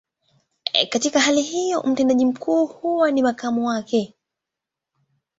Katika hali hiyo, mtendaji mkuu huwa ni makamu wake.